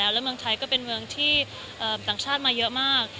แล้วเมืองไทยก็เป็นเมืองที่ต่างชาติมาเยอะมาก